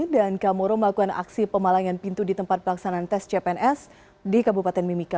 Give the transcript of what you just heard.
dan kamoro melakukan aksi pemalangan pintu di tempat pelaksanaan tes cpns di kabupaten mimika